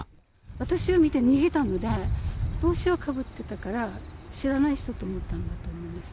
私を見て逃げたので、帽子をかぶってたから、知らない人と思ったんだと思います。